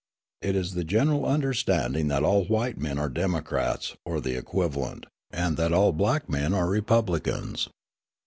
It is the general understanding that all white men are Democrats or the equivalent, and that all black men are Republicans.